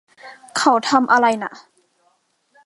เขาทำอะไรน่ะ